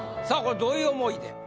さぁこれどういう思いで？